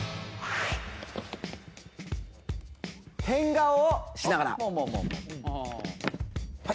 変顔をしながら。